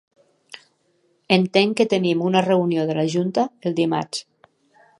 Entenc que tenim una reunió de la junta el dimarts